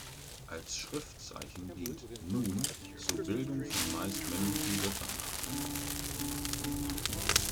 Als Schriftzeichen dient „Nun“ zur Bildung von meist männlichen Götternamen.